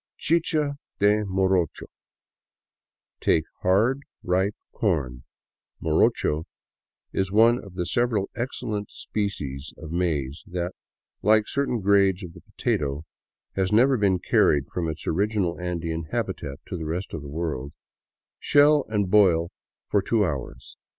" Chicha de morocho : Take hard, ripe corn '* {morocho is one of the several excellent species of maize that, like certain grades of the potato, has never been carried from its original Andean habitat to the rest of the world) " shell, and boil for two hours.